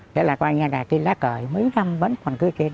thế là qua nhà đài trên lá cờ mấy năm vẫn còn cư trên